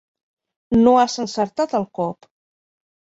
No has encertat el cop!